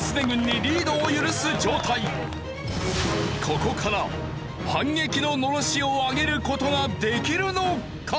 ここから反撃の狼煙を上げる事ができるのか！？